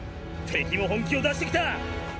敵も本気を出してきた！